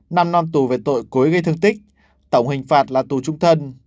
năm năm tù về tội cối gây thương tích tổng hình phạt là tù trung thân